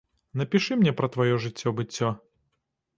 Напішы мне пра тваё жыццё-быццё.